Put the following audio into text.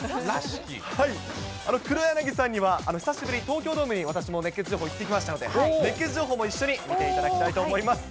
黒柳さんには、私、久しぶりに東京ドームに行ってきましたので、熱ケツ情報も一緒に見ていただきたいと思います。